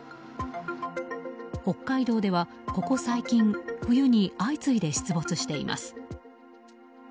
北海道では、ここ最近冬に相次いで出没しています。